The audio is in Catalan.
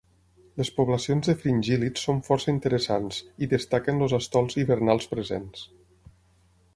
Les poblacions de fringíl·lids són força interessants i destaquen els estols hivernals presents.